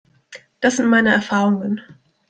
Das sind meine Erfahrungen.